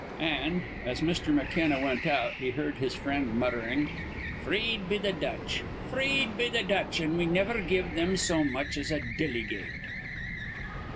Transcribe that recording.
And, as Mr. McKenna went out, he heard his friend muttering: "Freed be th' Dutch! Freed be the Dutch! An' we niver give thim so much as a dillygate." ON ORATORY IN POLITICS.